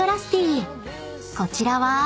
［こちらは？］